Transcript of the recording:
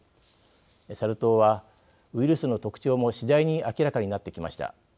サル痘はウイルスの特徴も次第に明らかになってきました。